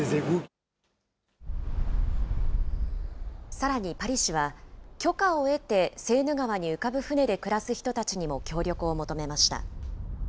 さらにパリ市は、許可を得てセーヌ川に浮かぶ船で暮らす人たちにも協力を求めました。